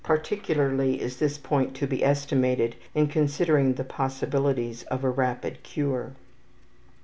Particularly is this point to be estimated in considering the possibilities of a rapid cure.